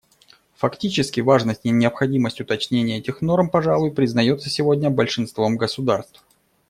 Фактически важность и необходимость уточнения этих норм, пожалуй, признается сегодня большинством государств.